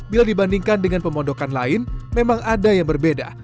bila dibandingkan dengan pemondokan lain memang ada yang berbeda